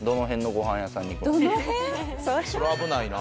それは危ないな。